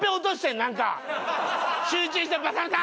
集中してバサバサ！